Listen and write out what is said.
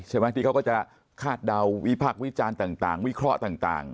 ที่เขาก็จะคาดเดาวิพากษ์วิจารณ์ต่างวิเคราะห์ต่าง